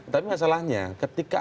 tapi masalahnya ketika